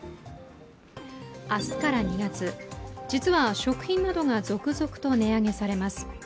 明日から２月、実は食品などが続々と値上げされます。